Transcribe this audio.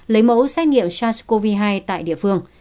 lấy mẫu xét nghiệm sars cov hai tại địa phương